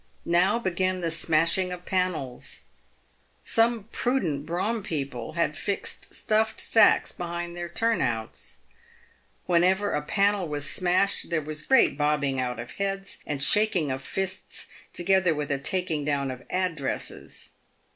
Now began the smashing of panels. Some prudent brougham people had fixed stuffed sacks behind their turn outs. Whenever a panel was smashed there was great bobbing out of heads and shaking of fists, together with a taking down of addresses.